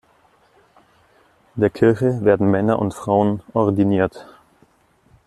In der Kirche werden Männer und Frauen ordiniert.